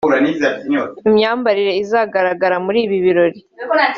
Imyambarire izagaragara muri ibi birori